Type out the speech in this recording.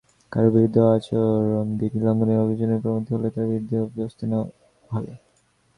কারও বিরুদ্ধে আচরণবিধি লঙ্ঘনের অভিযোগ প্রমাণিত হলে তাঁর বিরুদ্ধে ব্যবস্থা নেওয়া হবে।